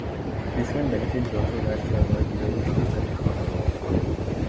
This can benefit those who like to avoid building custom kernels.